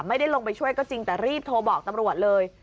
ไม่ได้ลงไปช่วยก็จริงแต่รีบโทรบอกตำรวจเลย